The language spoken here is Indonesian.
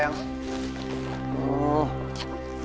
banyak juga belanja gitu ya